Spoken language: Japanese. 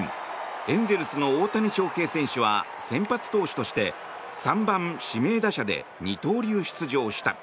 エンゼルスの大谷翔平選手は先発投手として３番指名打者で二刀流出場した。